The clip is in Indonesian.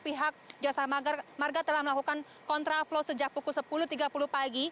pihak jasa marga telah melakukan kontra flow sejak pukul sepuluh tiga puluh pagi